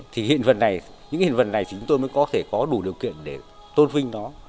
thì những hiện vật này chúng tôi mới có thể có đủ điều kiện để tôn vinh nó